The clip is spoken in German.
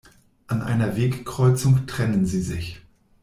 An einer Wegkreuzung trennen sie sich.